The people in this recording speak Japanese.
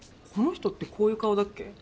この人ってこういう顔だっけ？